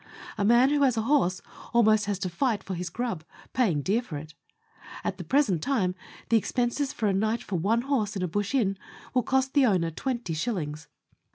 A man who has a horse has almost to fight for his grub, paying dear for it. At the present time the expenses of a night for one horse at a bush inn will cost the owner twenty shillings.